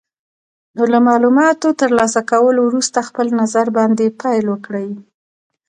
نو له مالوماتو تر لاسه کولو وروسته خپل نظر باندې پیل وکړئ.